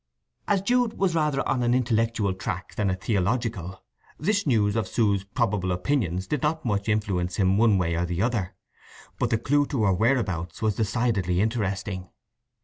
As Jude was rather on an intellectual track than a theological, this news of Sue's probable opinions did not much influence him one way or the other, but the clue to her whereabouts was decidedly interesting.